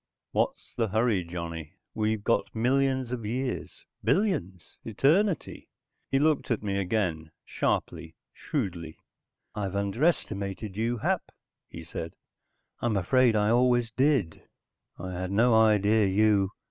"What's the hurry, Johnny? We've got millions of years, billions, eternity." He looked at me again, sharply, shrewdly. "I've underestimated you, Hap," he said. "I'm afraid I always did. I had no idea you...."